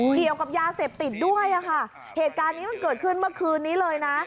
เกี่ยวกับยาเสพติดด้วยอ่ะค่ะเหตุการณ์นี้มันเกิดขึ้นเมื่อคืนนี้เลยนะ